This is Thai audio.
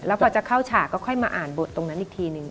พอจะเข้าฉากก็ค่อยมาอ่านบทตรงนั้นอีกทีนึง